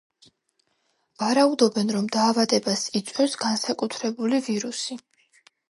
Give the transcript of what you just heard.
ვარაუდობენ, რომ დაავადებას იწვევს განსაკუთრებული ვირუსი.